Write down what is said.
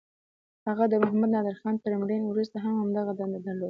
هغه د محمد نادرخان تر مړینې وروسته هم همدغه دنده درلوده.